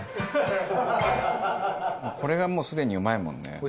これがもうすでにうまいもんね。